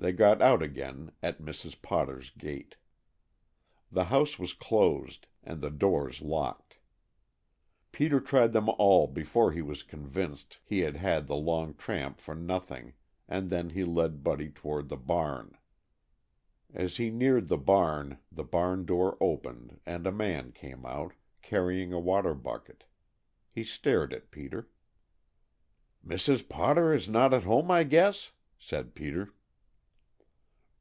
They got out again at Mrs. Potter's gate. The house was closed, and the doors locked. Peter tried them all before he was convinced he had had the long tramp for nothing, and then he led Buddy toward the barn. As he neared the barn the barn door opened and a man came out, carrying a water bucket. He stared at Peter. "Mrs. Potter is not at home, I guess?" said Peter.